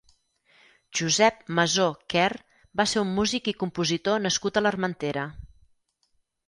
Josep Masó Quer va ser un músic i compositor nascut a l'Armentera.